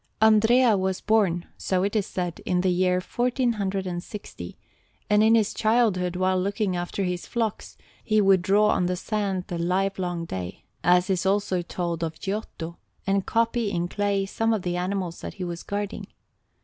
Andrea was born, so it is said, in the year 1460; and in his childhood, while looking after his flocks, he would draw on the sand the livelong day, as is also told of Giotto, and copy in clay some of the animals that he was guarding.